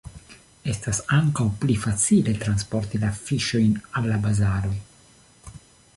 Estas ankaŭ pli facile transporti la fiŝojn al la bazaroj.